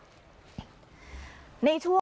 ในช่วง